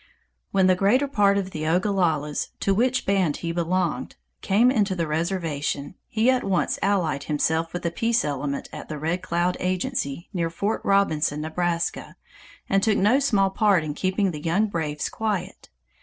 When the greater part of the Ogallalas, to which band he belonged, came into the reservation, he at once allied himself with the peace element at the Red Cloud agency, near Fort Robinson, Nebraska, and took no small part in keeping the young braves quiet.